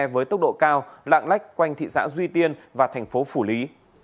với tốc độ cao lạng lách quanh thị xã duy tiên và tp phủ lý